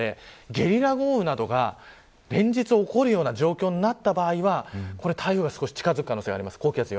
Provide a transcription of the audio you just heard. ゲリラ豪雨などが連日起こるような状況になった場合は台風が近づく可能性があります。